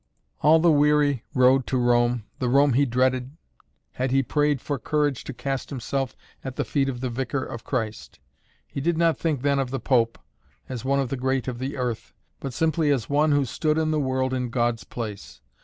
All the weary road to Rome, the Rome he dreaded, had he prayed for courage to cast himself at the feet of the Vicar of Christ. He did not think then of the Pope, as of one of the great of the earth, but simply as of one who stood in the world in God's place.